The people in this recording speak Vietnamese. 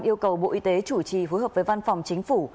yêu cầu bộ y tế chủ trì phối hợp với văn phòng chính phủ